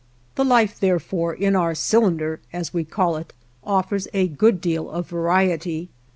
The life, therefore, in our "cylinder" as we call it, offers a good deal of variety.